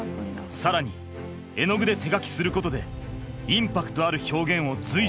更に絵の具で手書きすることでインパクトある表現を随所に。